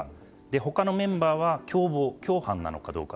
他のメンバーは共謀・共犯なのかどうか。